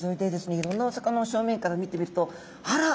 いろんなお魚をしょうめんから見てみるとあら！